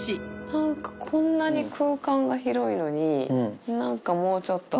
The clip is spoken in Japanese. なんか、こんなに空間が広いのに、なんかもうちょっと。